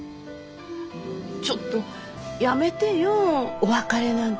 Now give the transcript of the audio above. ちょっとやめてよお別れなんて。